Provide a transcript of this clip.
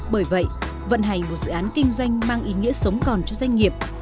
bởi vậy vận hành một dự án kinh doanh mang ý nghĩa sống còn cho doanh nghiệp